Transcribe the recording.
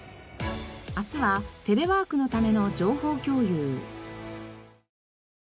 明日はテレワークのための情報共有。